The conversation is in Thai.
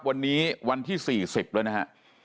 วันนี้วันที่๔๐แล้วนะฮะ